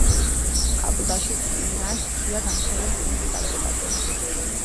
კალკუტაში ტინას ხშირად ამჩნევენ წიგნის ბაზრობაზე.